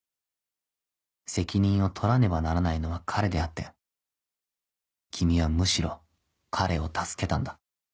責任を取らねばならないのは彼であって君はむしろ彼を助けたんだ。